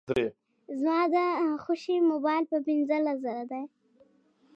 زما د خوښي موبایل په پینځلس زره دی